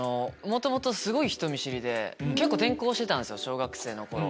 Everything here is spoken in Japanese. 元々すごい人見知りで結構転校してたんす小学生の頃。